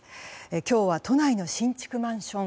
今日は都内の新築マンション